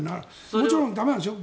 もちろん駄目なんですよ